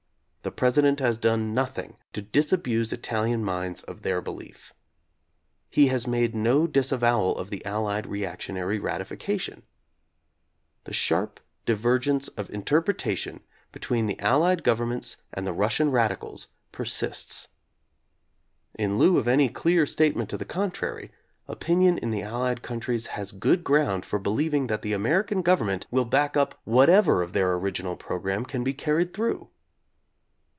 The President has done nothing to disabuse Ital ian minds of their belief. He has made no dis avowal of the Allied reactionary ratification. The sharp divergence of interpretation between the Al lied governments and the Russian radicals persists. In lieu of any clear statement to the contrary, opinion in the Allied countries has good ground for believing that the American government will back up whatever of their original programme can be carried through.